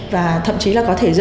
và thậm chí là có thể dơ nhớ